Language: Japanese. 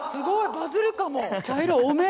バズるかも。